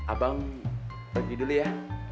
abang pergi dulu ya